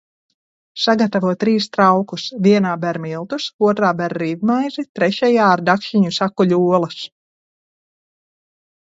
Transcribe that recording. Sagatavo trīs traukus – vienā ber miltus, otrā ber rīvmaizi, trešajā ar dakšiņu sakuļ olas.